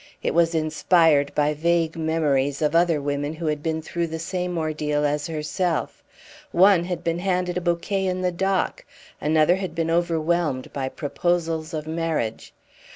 It was inspired by vague memories of other women who had been through the same ordeal as herself. One had been handed a bouquet in the dock; another had been overwhelmed by proposals of marriage.